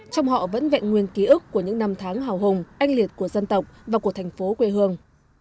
trong họ vẫn vẹn nguyên ký ức của những năm tháng hào hùng anh liệt của dân tộc và của thành phố quê hương